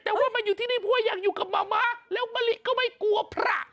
แต่ว่ามาอยู่ที่นี่เพราะว่าอยากอยู่กับมะมะแล้วมะลิก็ไม่กลัวพระ